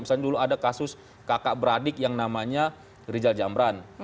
misalnya dulu ada kasus kakak beradik yang namanya rijal jamran